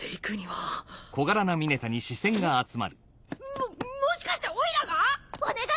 ももしかしてオイラが⁉お願い